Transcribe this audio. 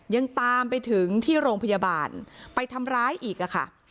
ยังตามไปถึงที่โรงพยาบาลไปทำร้ายอีกอะค่ะ